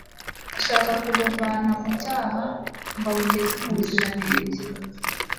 ashaka kubuvana mu cyaha ngo abugeze mu buziranenge